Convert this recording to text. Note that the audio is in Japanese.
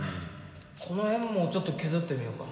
この辺もちょっと削ってみよか。